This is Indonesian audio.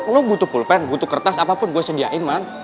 lo butuh pulpen butuh kertas apapun gue sediain man